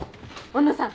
小野さん